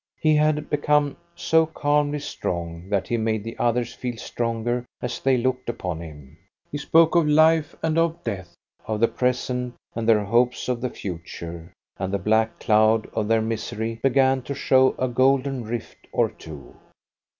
He had become so calmly strong that he made the others feel stronger as they looked upon him. He spoke of life and of death, of the present, and their hopes of the future; and the black cloud of their misery began to show a golden rift or two.